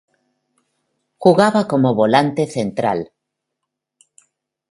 Jugaba como volante central.